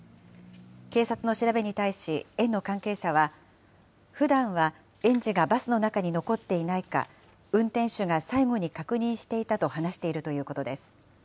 警察の調べに対し、園の関係者は、ふだんは園児がバスの中に残っていないか、運転手が最後に確認していたと話しているということです。